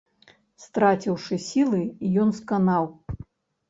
Страціўшы сілы, ён сканаў.